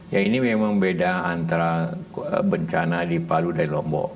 ya ini memang beda antara bencana di palu dan lombok